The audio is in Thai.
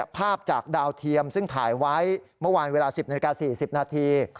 ภาพจากดาวเทียมซึ่งถ่ายไว้เมื่อวานเวลา๑๐นาฬิกา๔๐นาที